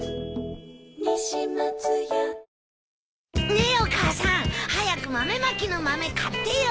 ねえお母さん早く豆まきの豆買ってよ。